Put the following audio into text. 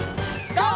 ＧＯ！